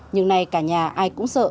nhưng nay cả nhà ai cũng sợ